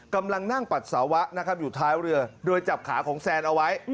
กำลังนั่งปัสสาวะนะครับอยู่ท้ายเรือโดยจับขาของแซนเอาไว้